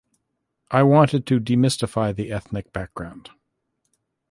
I wanted to demystify the ethnic background.